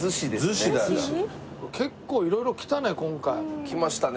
結構色々来たね今回。来ましたね